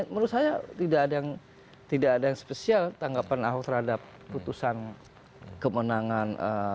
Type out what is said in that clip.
menurut saya tidak ada yang spesial tanggapan ahok terhadap putusan kemenangan